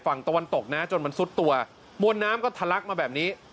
ฝั่งตะวันตกนะจนมันซุดตัวมวลน้ำก็ทะลักมาแบบนี้